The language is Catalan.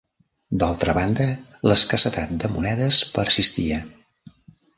D'altra banda, l'escassetat de monedes persistia.